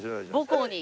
母校に。